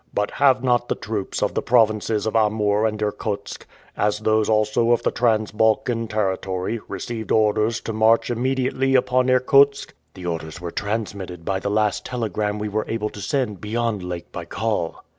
"But have not the troops of the provinces of Amoor and Irkutsk, as those also of the Trans Balkan territory, received orders to march immediately upon Irkutsk?" "The orders were transmitted by the last telegram we were able to send beyond Lake Baikal."